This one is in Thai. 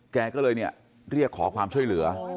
แกก็เลยเนี่ยเรียกขอความช่วยเหลือ